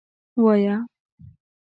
وایه.